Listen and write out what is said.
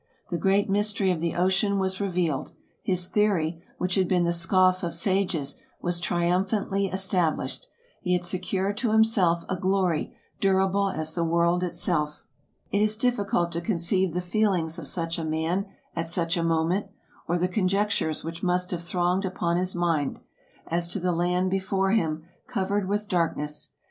The great mystery of the ocean was revealed; his theory, which had been the scoff of sages, was triumph antly established; he had secured to himself a glory durable as the world itself. It is difficult to conceive the feelings of such a man, at such a moment ; or the conjectures which must have thronged upon his mind, as to the land before him, covered with dark ness.